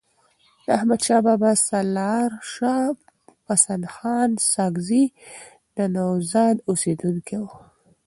د احمدشاه بابا سپه سالارشاه پسندخان ساکزی د نوزاد اوسیدونکی وو.